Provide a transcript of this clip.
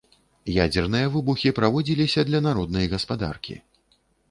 Ядзерныя выбухі праводзіліся для народнай гаспадаркі.